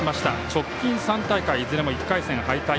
直近３大会はいずれも１回戦敗退。